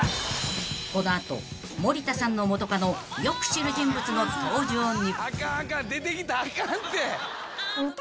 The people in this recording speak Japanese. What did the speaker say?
［この後森田さんの元カノをよく知る人物の登場に］